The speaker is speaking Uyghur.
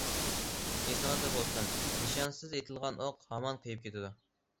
ئېسىڭىزدە بولسۇن نىشانسىز ئېتىلغان ئوق، ھامان قېيىپ كېتىدۇ.